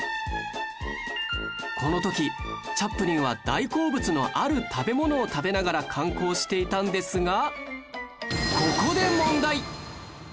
この時チャップリンは大好物のある食べ物を食べながら観光していたんですが